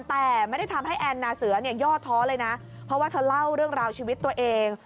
แต่ไม่ได้ทำให้แอนนาเสือเนี่ยย่อท้อเลยนะเพราะว่าเธอเล่าเรื่องราวชีวิตตัวเอง